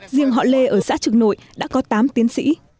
riêng họ lê ở xã trường nội đã có tám tiến sĩ